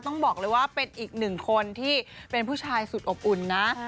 ต้องบอกเลยว่าเป็นอีกหนึ่งคนที่เป็นผู้ชายสุดอบอุ่นนะ